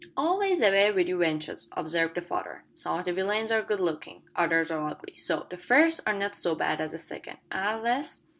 "Always the way wi' you wenches," observed the father. "Some o' the villains are good lookin', others are ugly; so, the first are not so bad as the second eh, lass?"